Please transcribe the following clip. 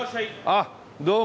あっどうも。